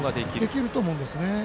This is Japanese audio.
できると思うんですね。